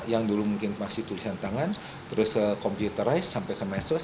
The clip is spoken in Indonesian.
yang dulu mungkin masih tulisan tangan terus komputarize sampai ke medsos